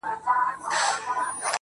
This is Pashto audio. o څومره چي يې مينه كړه.